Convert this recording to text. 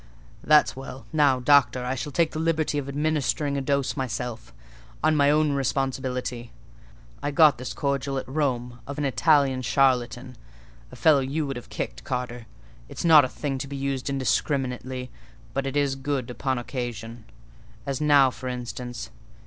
"That's well! Now, doctor, I shall take the liberty of administering a dose myself, on my own responsibility. I got this cordial at Rome, of an Italian charlatan—a fellow you would have kicked, Carter. It is not a thing to be used indiscriminately, but it is good upon occasion: as now, for instance.